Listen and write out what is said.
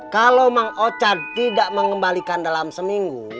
kalau mang ocad tidak mengembalikan dalam seminggu